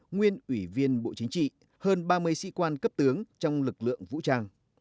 nguyên ủy viên bộ chính trị hơn ba mươi sĩ quan cấp tướng trong lực lượng vũ trang